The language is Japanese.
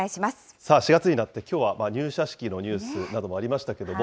さあ、４月になってきょうは入社式のニュースなどもありましたけれども、